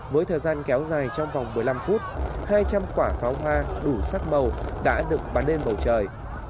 với thời gian kéo dài trong vòng một mươi năm phút hai trăm linh quả pháo hoa đủ sắc màu đã được bắn lên bầu trời